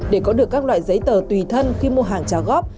để có được các loại giấy tờ tùy thân khi mua hàng trả góp